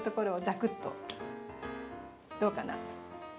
どうかな？